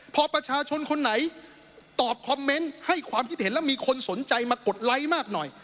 พอประชาชนคนไหนตอบคอมเมนต์ให้ความคิดเห็นแล้วมีคนสนใจมากดไลค์มากหน่อย